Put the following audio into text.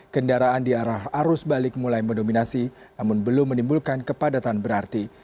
kendaraan di arah arus balik mulai mendominasi namun belum menimbulkan kepadatan berarti